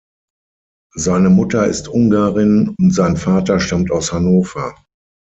Seine Mutter ist Ungarin und sein Vater stammt aus Hannover.